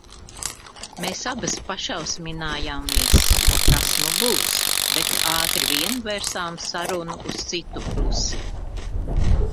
Mēs abas pašausminājāmies, kas nu būs, bet ātri vien vērsām sarunu uz citu pusi.